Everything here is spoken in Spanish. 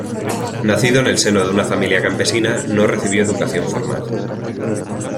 Nacido en el seno de una familia campesina, no recibió educación formal.